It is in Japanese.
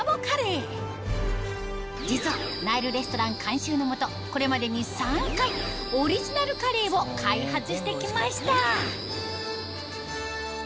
カレー実はナイルレストラン監修の下これまでに３回オリジナルカレーを開発して来ました